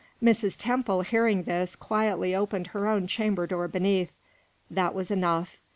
Mrs. Temple, hearing this, quietly opened her own chamber door beneath. That was enough.